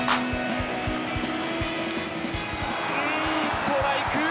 ストライク。